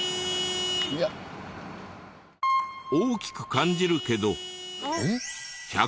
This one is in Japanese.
大きく感じるけど。